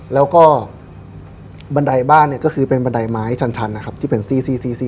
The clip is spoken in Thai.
แล้วก็บันไดบ้านเนี่ยก็คือเป็นบันไดไม้ชันนะครับที่เป็นซี่